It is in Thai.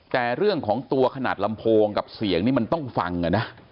แต่เรื่องของตัวขนาดลำโพงกับเสียงนี่มันต้องฟังนะ